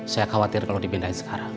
saya khawatir kalau dipindahin sekarang